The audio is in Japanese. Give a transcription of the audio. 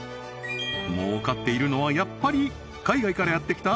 儲かっているのはやっぱり海外からやって来た